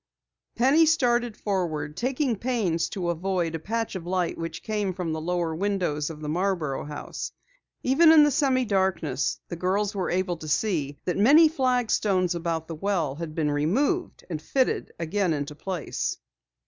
Penny started forward, taking pains to avoid a patch of light which came from the lower windows of the Marborough house. Even in the semi darkness the girls were able to see that many flagstones about the well had been removed and fitted again into place.